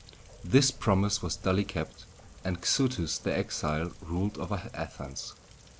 This promise was duly kept, and Xuthus the exile ruled over Athens.